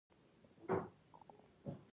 د پیغام غږ مې بند کړ.